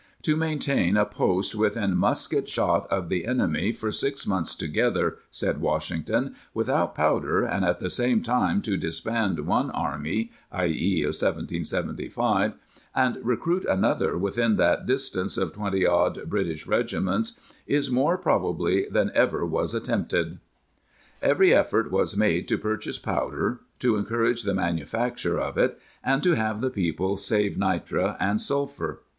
*" To maintain a post within musket shot of the enemy for six months together," said Washington, "without [powder],^ and at the same time to disband one army [i.e., of 1775] and recruit another within that distance of twenty odd British regiments, is more, probably, than ever was attempted."^ Every effort was made to purchase powder, to encourage the manufacture of it, and to have the people save nitre and sulphur.